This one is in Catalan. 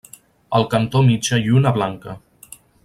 Al cantó mitja lluna blanca.